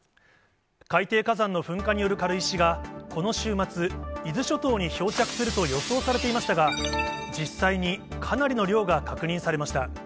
海底火山の噴火による軽石がこの週末、伊豆諸島に漂着すると予想されていましたが、実際にかなりの量が確認されました。